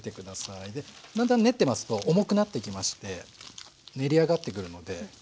だんだん練ってますと重くなってきまして練り上がってくるので。